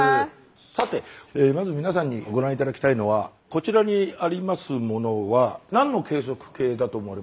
さてまず皆さんにご覧頂きたいのはこちらにありますものは何の計測計だと思われますか？